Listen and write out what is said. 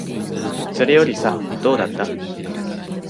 それよりさ、どうだった？